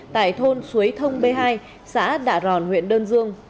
tại thôn suối thông b hai xã đạ ròn huyện đơn dương